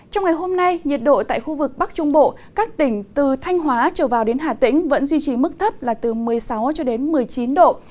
trong ngày hôm nay nhiệt độ tại khu vực bắc trung bộ các tỉnh từ thanh hóa trở vào đến hà tĩnh vẫn duy trì mức thấp là từ một mươi sáu một mươi chín độ